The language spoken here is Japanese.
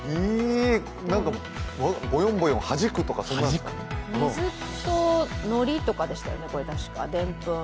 なんかぼよんぼよんはじくとか？水とのりとかでしたよね、これ確か、でんぷん。